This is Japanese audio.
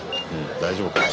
大丈夫かい？